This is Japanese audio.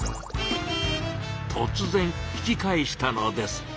とつ然引き返したのです。